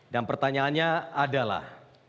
dan pertanyaannya adalah